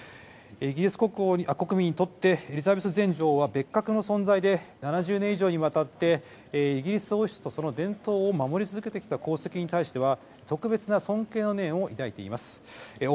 イギリス国民にとってエリザベス前女王は別格の存在で、７０年以上にわたってイギリス王室とその伝統を守り続けてきた功績に対しては特別な尊敬の念を抱いています。